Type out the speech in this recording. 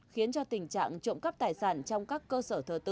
khiến cho tình trạng trộm cắp tài sản trong các cơ sở thờ tự